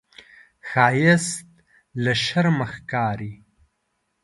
ښایست له شرمه ښکاري